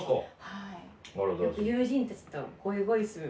はい。